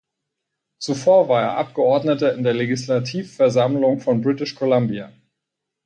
Zuvor war er Abgeordneter in der Legislativversammlung von British Columbia.